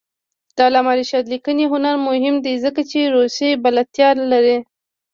د علامه رشاد لیکنی هنر مهم دی ځکه چې روسي بلدتیا لري.